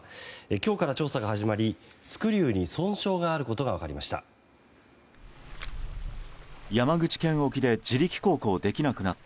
今日から調査が始まりスクリューに損傷があることが分かりました。